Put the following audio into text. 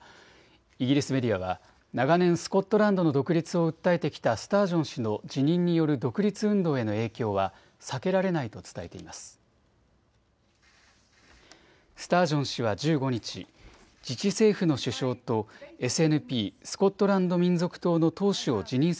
イギリスメディアは長年、スコットランドの独立を訴えてきたスタージョン氏の辞任による独立運動への影響は避けられないと伝えています。